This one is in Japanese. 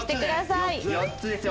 ４つですよ。